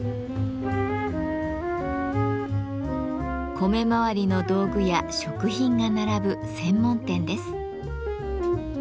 米まわりの道具や食品が並ぶ専門店です。